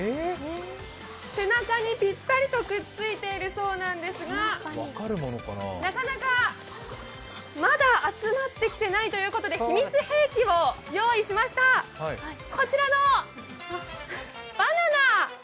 背中にぴったりとくっついているそうなんですがなかなかまだ集まってきていないということで秘密兵器を用意しましたこちらのバナナ！